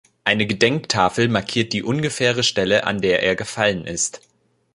Eine Gedenktafel markiert die ungefähre Stelle, an der er gefallen ist.